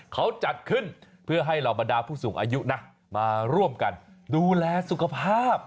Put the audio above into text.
เขาจัดขึ้นเพื่อให้เหล่าบรรดาผู้สูงอายุนะมาร่วมกันดูแลสุขภาพ